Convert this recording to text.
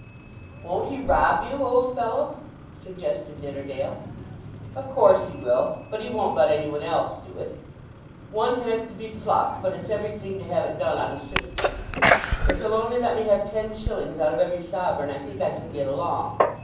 "Won't he rob you, old fellow?" suggested Nidderdale. "Of course he will; but he won't let any one else do it. One has to be plucked, but it's everything to have it done on a system. If he'll only let me have ten shillings out of every sovereign I think I can get along."